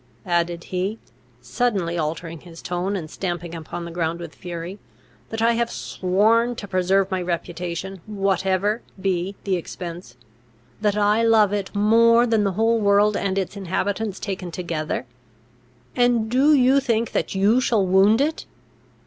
added he, suddenly altering his tone, and stamping upon the ground with fury, "that I have sworn to preserve my reputation, whatever be the expense; that I love it more than the whole world and its inhabitants taken together? And do you think that you shall wound it?